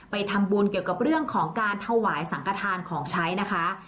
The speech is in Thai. ไปทำบุญเกี่ยวกับเรื่องของการถวายสังกฐานของใช้นะคะ